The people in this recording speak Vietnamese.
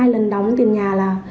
hai lần đóng tiền nhà là